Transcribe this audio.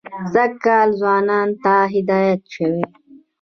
سږ کال ځوانانو ته هدایت شوی.